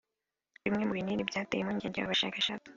Bimwe mu binini byateye impungenge aba bashakashatsi